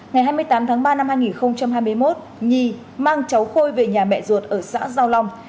ngày hai mươi tám tháng ba năm hai nghìn hai mươi một nhi mang cháu khôi về nhà mẹ ruột ở xã giao long